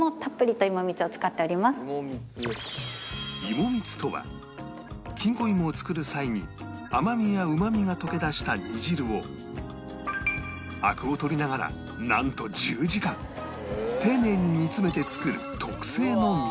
芋蜜とはきんこ芋を作る際に甘みやうまみが溶け出した煮汁をアクを取りながらなんと１０時間丁寧に煮詰めて作る特製の蜜